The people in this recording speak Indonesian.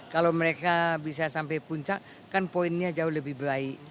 kalau mereka bisa sampai puncak kan poinnya jauh lebih baik